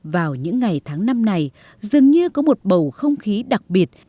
vào những ngày tháng năm này dường như có một bầu không khí đặc biệt